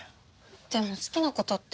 でも好きなことって？